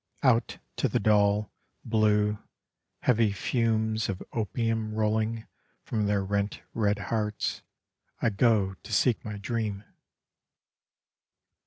Out to the dull, blue, heavy fumes of opium rolling From their rent red hearts, I go to seek my dream.